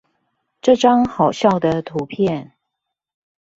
這張好笑的圖片